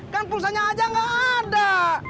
kan pulsanya aja nggak ada